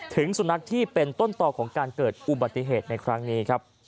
ถึงสุนัขที่เป็นต้นต่อของการเกิดอุบัติเหตุในครั้งนี้ครับ